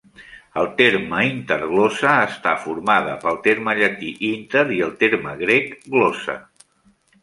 El terme "interglossa" està formada pel terme llatí "inter" i el terme grec "glossa".